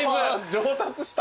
上達した。